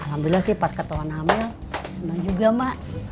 alhamdulillah sih pas ketua nama seneng juga mak